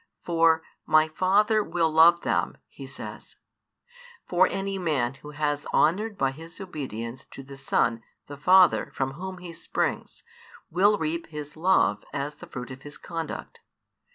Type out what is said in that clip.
For My Father will love him, He says. For any man who has honoured by his obedience to the Son the Father from Whom He springs, will reap His love as |330 the fruit of his conduct.